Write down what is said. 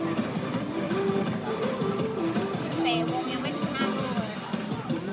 เก็บไหล่เก็บไหล่